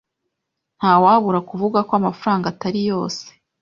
Ntawabura kuvuga ko amafaranga atari yose.